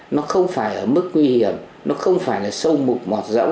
nó không phải ở mức nguy hiểm nó không phải là sâu mục mọt rộng